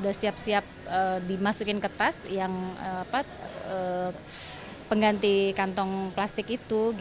udah siap siap dimasukin ke tas yang pengganti kantong plastik itu